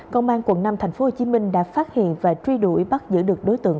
công an quận năm tp hcm đã phát hiện và truy đuổi bắt giữ được đối tượng